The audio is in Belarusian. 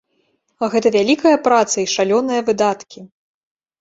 А гэта вялікая праца і шалёныя выдаткі.